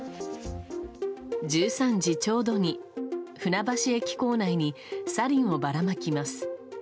１３時ちょうどに船橋駅構内にサリンをばらまきます。